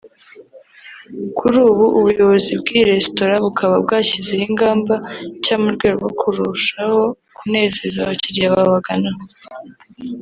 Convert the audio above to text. Kuri ubu ubuyobozi bw’iyi resitora bukaba bwashyizeho ingamba nshya mu rwego rwo kurushaho kunezeza abakiliya babagana